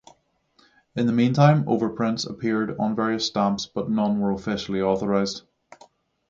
In the meantime, overprints appeared on various stamps, but none were officially authorized.